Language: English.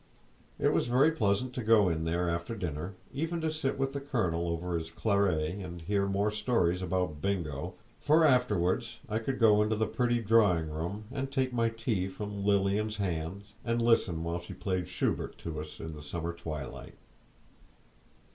It was very pleasant to go in there after dinner, even to sit with the colonel over his claret, and hear more stories about Bingo; for afterward I could go into the pretty drawing room and take my tea from Lilian's hands, and listen while she played Schubert to us in the summer twilight.